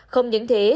không những thế